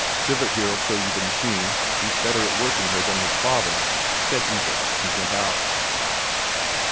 "Sivert here'll show you the machine; he's better at working her than his father," said Isak, and went out.